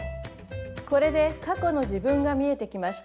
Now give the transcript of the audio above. これで過去の自分が見えてきました。